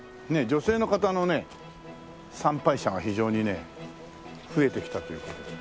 女性の方のね参拝者が非常にね増えてきたという事で。